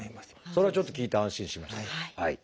それをちょっと聞いて安心しました。